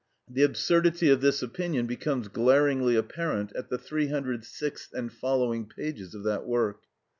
The absurdity of this opinion becomes glaringly apparent at the 306th and following pages of that work.